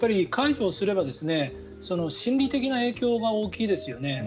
解除をすれば心理的な影響が大きいですよね。